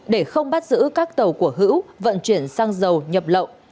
để không bắt giữ các tàu của hữu vận chuyển xăng dầu nhập lậu